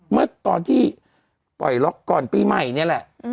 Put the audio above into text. เมื่อตอนที่ปล่อยล็อกก่อนปีใหม่นี่แหละ